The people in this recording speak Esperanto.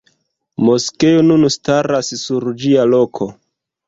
Moskeo nun staras sur ĝia loko.